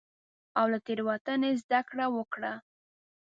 او له تېروتنې زدکړه وکړه.